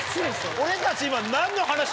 俺たち今。